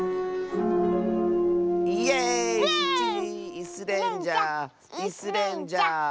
イスレンジャーイスレンジャー！